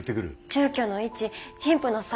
住居の位置貧富の差